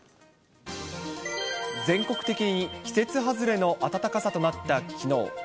全国的に季節外れの暖かさとなったきのう。